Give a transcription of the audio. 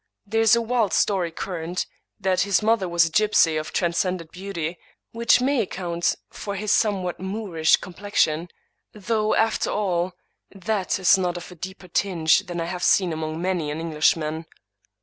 There is a wild story current, that his mother was a gypsy of transcendent beauty, which may account for his somewhat Moorish complexion, though, after all, that is not of a deeper tinge than I have seen among many an Englishman.